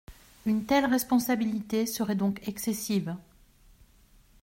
Une telle responsabilité serait donc excessive.